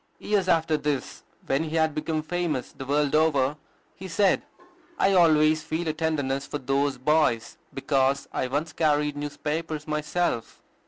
Years after this, when he had become famous the world over, he said, "I always feel a tenderness for those boys, because I once carried newspapers myself."